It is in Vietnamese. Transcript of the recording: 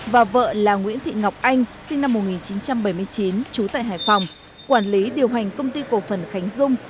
và vợ là nguyễn thị ngọc anh sinh năm một nghìn chín trăm bảy mươi chín trú tại hải phòng quản lý điều hành công ty cổ phần khánh dung